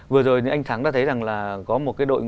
vừa rồi anh thắng đã thấy rằng là có một